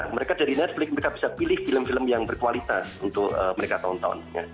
mereka dari netflix mereka bisa pilih film film yang berkualitas untuk mereka tonton